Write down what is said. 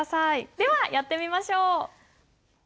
ではやってみましょう。